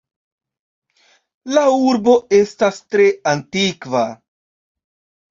La urbo estas tre antikva.